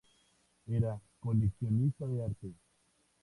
Era coleccionista de arte.